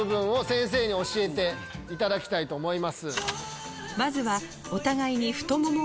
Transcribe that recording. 先生に教えていただきたいと思います。